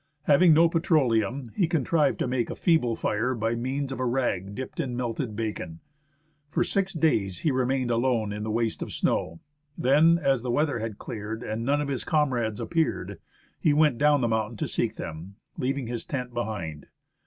Having no petroleum, he contrived to make a feeble fire by means of a rag dipped in melted bacon. For six days he remained alone in the waste of snow ; then, as the weather had cleared and none of his comrades appeared, he went down the mountain to seek them, leaving his tent behind.